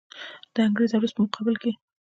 د انګریز او روس په مقابل کې.